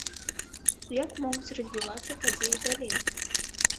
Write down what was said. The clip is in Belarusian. Як могуць развівацца падзеі далей?